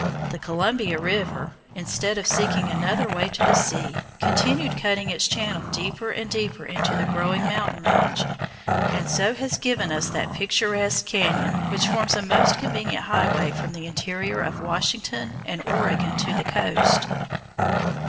The Columbia River, instead of seeking another way to the sea, continued cutting its channel deeper and deeper into the growing mountain range, and so has given us that picturesque cañon which forms a most convenient highway from the interior of Washington and Oregon to the coast.